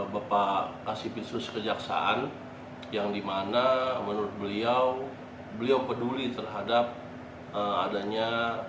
bapak kasih pisus kejaksaan yang dimana menurut beliau beliau peduli terhadap adanya